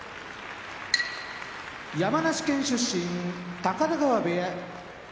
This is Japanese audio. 山梨県出身高田川部屋